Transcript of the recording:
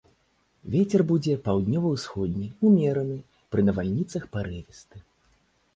Вецер будзе паўднёва-ўсходні ўмераны, пры навальніцах парывісты.